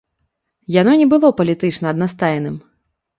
Яно не было палітычна аднастайным.